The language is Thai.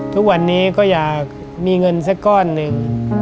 ทุกวันนี้ก็อยากมีเงินสักก้อนหนึ่ง